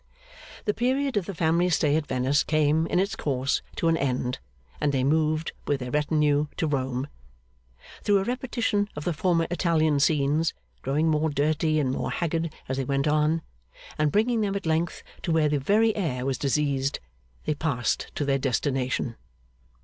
The period of the family's stay at Venice came, in its course, to an end, and they moved, with their retinue, to Rome. Through a repetition of the former Italian scenes, growing more dirty and more haggard as they went on, and bringing them at length to where the very air was diseased, they passed to their destination.